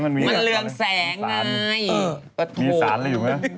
มันเรื่องแสงไง